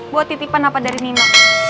buat titipan apa dari nina